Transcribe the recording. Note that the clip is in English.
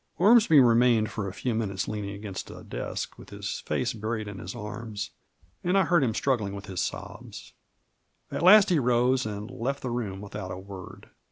Ormsby remained for a few minutes leaning against a desk, with his face buried in his arms, and I heard him struggling with his sobs. At last he rose, and left the room without a word.